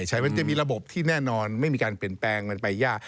ใช่มันจะมีระบบที่แน่นอนไม่มีการเปลี่ยนแปลงมันไปยาก